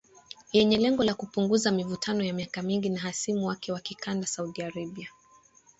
Yenye lengo la kupunguza mivutano ya miaka mingi na hasimu wake wa kikanda Saudi Arabia.